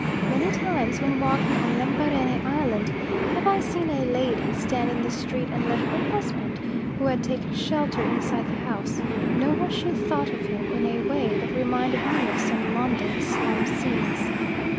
Many times when walking on Lembarene Island, have I seen a lady stand in the street and let her husband, who had taken shelter inside the house, know what she thought of him, in a way that reminded me of some London slum scenes.